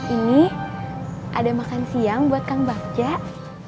ini ada makan siang buat kak bapak